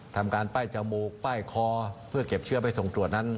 ทำการป้ายจมูกป้ายคอเพื่อเก็บเชื้อไปส่งตรวจนั้น